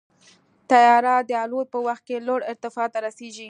طیاره د الوت په وخت کې لوړ ارتفاع ته رسېږي.